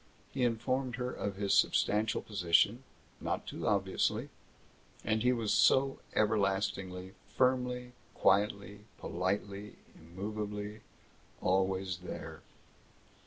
He informed her of his substantial position not too obviously. And he was so everlastingly, firmly, quietly, politely, immovably always there.